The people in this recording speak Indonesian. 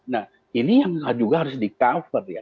nah ini yang juga harus di cover ya